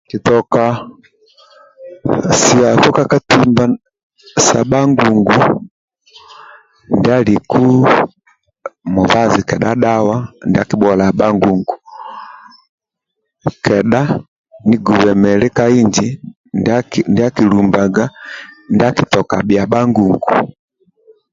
Kitoka siami ka katimba sa bha ngungu ndia aliku mubazi kedha dhawa kedha nigube mili ndia akilumbaga ndia akitoka bhia bha ngungu